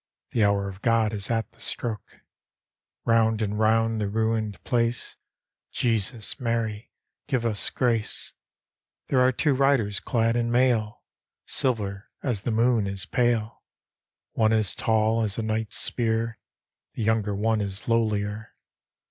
The hour of God is at the stroke, Round and round the ruined place,— Jesus, Mary, give us grace 1 There are two riders clad in mail Silver as the moon is pale. One is tall as a knight's spear, The younger one is lowlier.